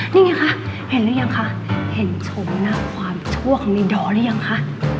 นี่ไงคะเห็นหรือยังคะเห็นชมหน้าความชั่วของมีดอร์หรือยังคะ